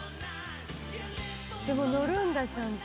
でものるんだちゃんと。